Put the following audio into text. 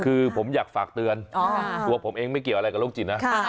คือผมอยากฝากเตือนตัวผมเองไม่เกี่ยวอะไรกับโรคจิตนะ